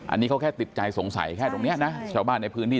อันนี้เขาแค่ติดใจสงสัยแค่ตรงนี้นะชาวบ้านในพื้นที่